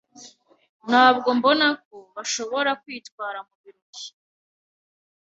Ntabwo mbona ko bashobora kwitwara mubirori.